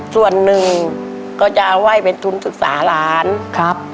ส่วนหนึ่งก็จะเอาไว้เป็นทุนศึกษาหลานครับ